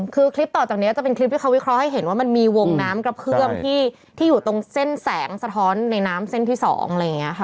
คือคลิปต่อจากนี้จะเป็นคลิปที่เขาวิเคราะห์ให้เห็นว่ามันมีวงน้ำกระเพื่อมที่อยู่ตรงเส้นแสงสะท้อนในน้ำเส้นที่๒อะไรอย่างนี้ค่ะ